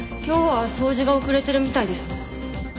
今日は掃除が遅れてるみたいですね。